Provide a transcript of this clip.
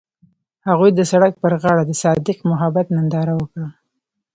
هغوی د سړک پر غاړه د صادق محبت ننداره وکړه.